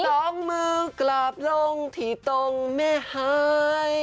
สองมือกลับลงที่ตรงแม่หาย